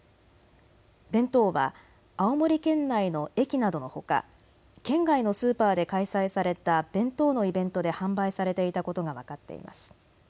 弁当は青森県内の駅などのほか県外のスーパーで開催された弁当のイベントで販売されていたことが分かっています。